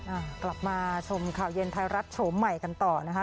อ่ากลับมาชมข่าวเย็นไทยรัฐโฉมใหม่กันต่อนะคะ